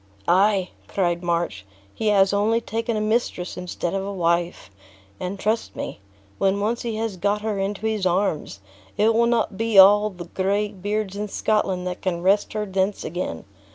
"Ay," cried March, "he has only taken a mistress instead of a wife; and, trust me, when once he has got her into his arms, it will not be all the gray beards in Scotland that can wrest her thence again.